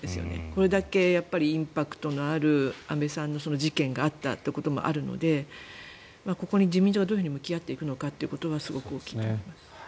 これだけインパクトのある安倍さんの事件があったということもあるのでここに自民党がどう向き合っていくのかはすごく大きいと思います。